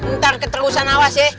ntar keterusan awas ya